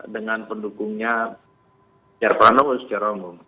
dengan pendukungnya jarvanow secara umum